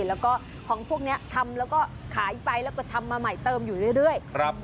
แล้วก็ของพวกนี้ทำแล้วก็ขายไปแล้วก็ทำมาใหม่เติมอยู่เรื่อย